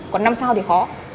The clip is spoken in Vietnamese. còn năm sao thì khó